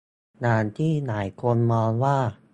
อย่างที่หลายคนมองว่า